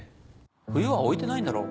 冬は置いてないんだろう